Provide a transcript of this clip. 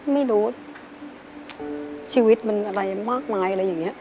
ไม่รู้ชีวิตมันอะไรมากมายอะไรอย่างนี้